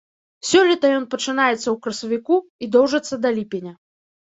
Сёлета ён пачынаецца ў красавіку і доўжыцца да ліпеня.